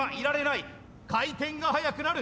回転が速くなる！